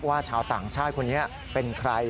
ชาวต่างชาติคนนี้เป็นใคร